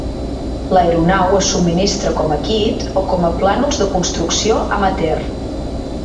L'aeronau es subministra com a kit o com a plànols de construcció amateur.